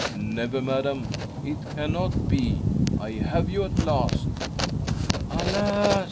"Never, madam. It cannot be. I have you at last." "Alas!"